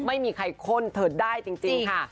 ไม่มีใครคนเถิดได้จริงค่ะ